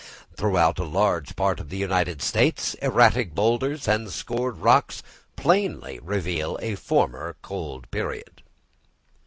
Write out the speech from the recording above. Throughout a large part of the United States, erratic boulders and scored rocks plainly reveal a former cold period.